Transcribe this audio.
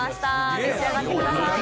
召し上がってください。